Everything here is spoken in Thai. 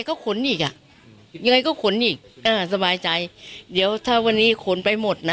ยังไงก็ขนอีกสบายใจเดี๋ยวถ้าวันนี้ขนไปหมดนะ